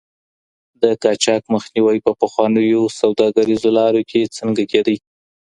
د قاچاق مخنیوی په پخوانیو سوداګریزو لارو کي څنګه کېده؟